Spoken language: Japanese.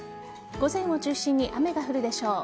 午前を中心に雨が降るでしょう。